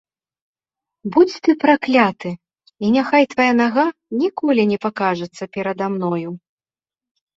Будзь ты пракляты, і няхай твая нага ніколі не пакажацца перада мною!